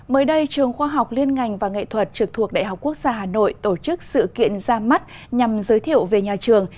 mới đây trường khoa học liên ngành và nghệ thuật trực thuộc đại học quốc gia hà nội tổ chức sự kiện ra mắt nhằm giới thiệu về nhà trường